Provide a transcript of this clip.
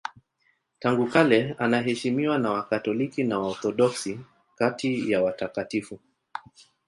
Tangu kale anaheshimiwa na Wakatoliki na Waorthodoksi kati ya watakatifu.